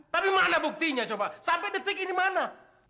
tapi mana buktinya coba sampai detik ini mana